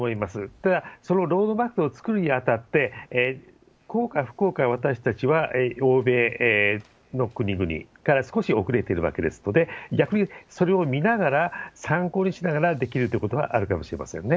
ただ、そのロードマップを作るにあたって、幸か不幸か私たちは欧米の国々から少し遅れているわけですので、逆にそれを見ながら参考にしながらできるということはあるかもしれませんね。